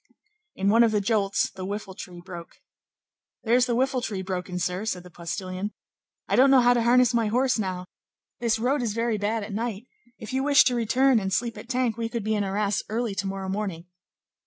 In one of the jolts, the whiffle tree broke. "There's the whiffle tree broken, sir," said the postilion; "I don't know how to harness my horse now; this road is very bad at night; if you wish to return and sleep at Tinques, we could be in Arras early to morrow morning."